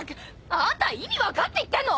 あんた意味分かって言ってんの！？